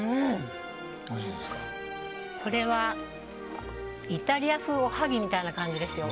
これはイタリア風おはぎみたいな感じですよ。